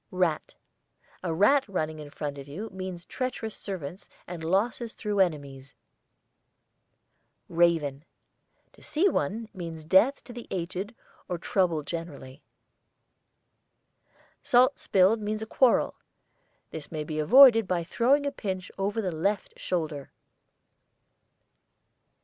RAT. A rat running in front of you means treacherous servants and losses through enemies. RAVEN. To see one, means death to the aged or trouble generally. SALT spilled means a quarrel. This may be avoided by throwing a pinch over the left shoulder.